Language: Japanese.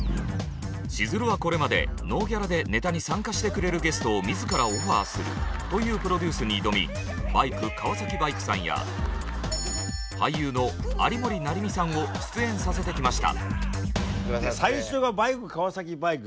しずるはこれまでノーギャラでネタに参加してくれるゲストを自らオファーするというプロデュースに挑みバイク川崎バイクさんや俳優の有森也実さんを出演させてきました。